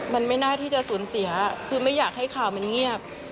มันไม่น่าที่จะสูญเสียคือไม่อยากให้ข่าวมันเงียบ